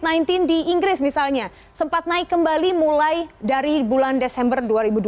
misalnya di inggris misalnya sempat naik kembali mulai dari bulan desember dua ribu dua puluh satu